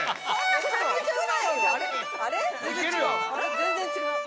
全然違う。